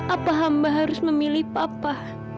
apa hamba harus memilih papa